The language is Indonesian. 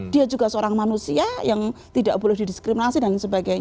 dia juga seorang manusia yang tidak boleh didiskriminasi dan sebagainya